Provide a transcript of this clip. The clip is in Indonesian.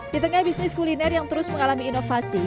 di tengah bisnis kuliner yang terus mengalami inovasi